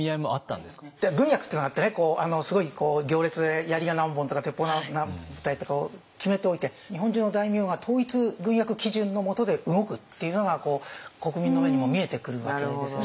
軍役っていうのがあってねすごい行列でやりが何本とか鉄砲が何部隊とかを決めておいて日本中の大名が統一軍役基準のもとで動くっていうのが国民の目にも見えてくるわけですよね。